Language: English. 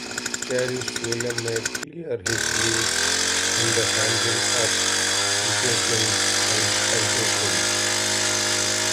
Chris Williamson made clear his views on the handling of antisemitism allegations.